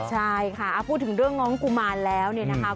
ใช่ค่ะพูดถึงเรื่องน้องกุมารแล้วเนี่ยนะคะ